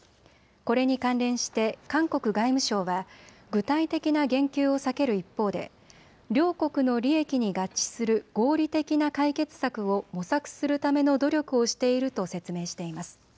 これに関連して韓国外務省は具体的な言及を避ける一方で両国の利益に合致する合理的な解決策を模索するための努力をしていると説明しています。